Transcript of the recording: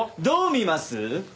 どう見ます？